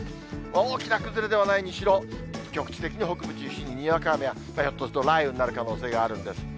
大きな崩れではないにしろ、局地的に北部中心ににわか雨や、ひょっとすると雷雨になる可能性があるんです。